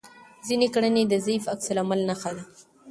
ځینې کړنې د ضعیف عکس العمل نښه ده.